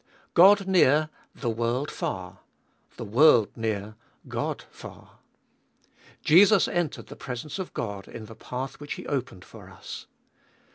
2. God near, the world far ; the world near, God far. Jesus entered the presence of God in the path which He opened up for us.